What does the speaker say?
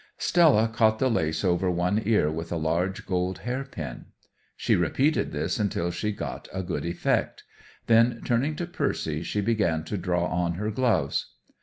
Stella caught the lace over one ear with a large gold hairpin. She repeated this until she got a good effect. Then turning to Percy, she began to draw on her gloves.